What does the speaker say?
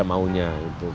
rumah teriaknya saja maunya